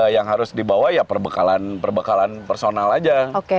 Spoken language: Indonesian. yang harus dibawa ya perbekalan perbekalan personal aja